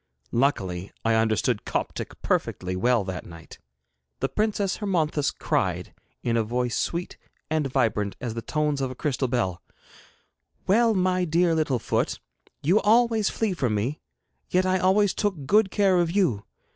Luckily I understood Coptic perfectly well that night. The Princess Hermonthis cried, in a voice sweet and vibrant as the tones of a crystal bell: 'Well, my dear little foot, you always flee from me, yet I always took good care of you.